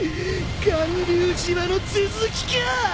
巌流島の続きか！